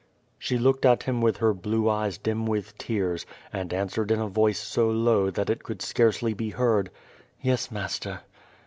She looked at him with her blue eyes dim with tears, and answered in a voice so low that it could scarcely be heard: "Yes, master."